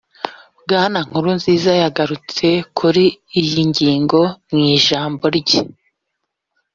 bwana Nkurunziza yagarutse kuri iyi ngingo mu ijambo rye